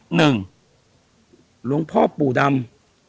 หลวงพ่อปู่ดำ